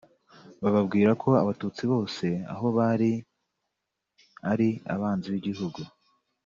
bababwira ko Abatutsi bose aho bari ari abanzi b’igihugu